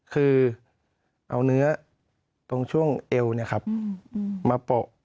คือเอาเนื้อตรงช่วงเอวมาโปะ